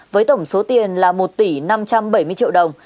với tổng số tiền là một tỷ năm trăm bảy mươi triệu đồng